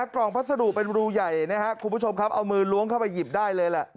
กล่องพัสดุเป็นรูใหญ่นะครับคุณผู้ชมครับเอามือล้วงเข้าไปหยิบได้เลยแหละ